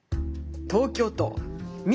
東京都み